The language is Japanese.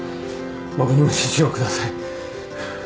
僕にも指示をくださいはぁ。